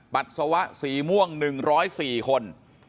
ปัสสาวะสีม่วง๑๐๔คน